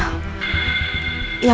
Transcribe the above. aku cuman kenal